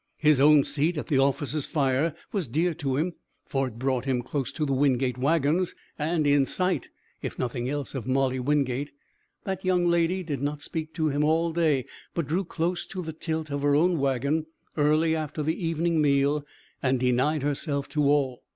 His own seat at the officers' fire was dear to him, for it brought him close to the Wingate wagons, and in sight if nothing else of Molly Wingate. That young lady did not speak to him all day, but drew close the tilt of her own wagon early after the evening meal and denied herself to all.